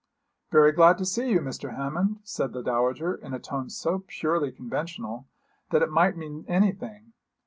'Very glad to see you, Mr. Hammond,' said the dowager, in a tone so purely conventional that it might mean anything.